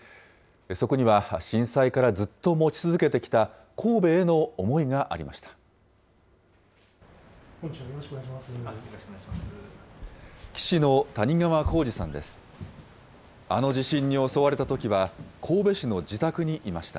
そこには震災からずっと持ち続けてきた神戸への思いがありました。